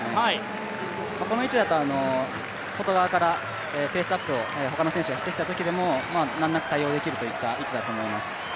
この位置だと外側からペースアップを他の選手がしてきたときにも難なく対応できるといった位置だと思います。